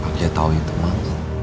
bagja tau itu mam